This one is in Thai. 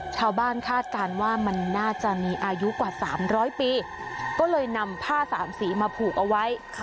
คาดการณ์ว่ามันน่าจะมีอายุกว่า๓๐๐ปีก็เลยนำผ้าสามสีมาผูกเอาไว้